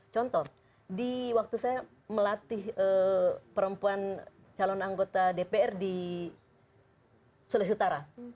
contoh di waktu saya melatih perempuan calon anggota dpr di sulawesi utara